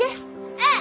うん。